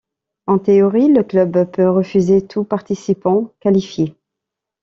En théorie, le club peut refuser tout participant qualifié.